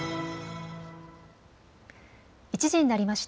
１時になりました。